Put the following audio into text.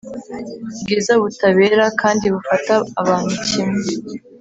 Bwiza butabera kandi bufata abantu kimwe